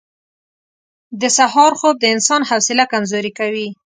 • د سهار خوب د انسان حوصله کمزورې کوي.